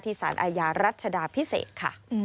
ที่ศาสตร์อายารัฐชดาพิเศษค่ะ